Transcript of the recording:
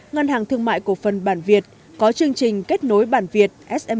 ngân hàng thương mại cổ phần bản việt có chương trình kết nối bản việt sm